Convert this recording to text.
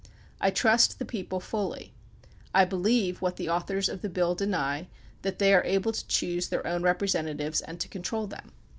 I trust the people fully. I believe, what the authors of the bill deny, that they are able to choose their own representatives and to control them.